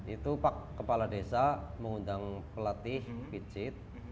itu pak kepala desa mengundang pelatih pijit